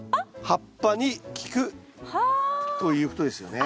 葉っぱに効くということですよね。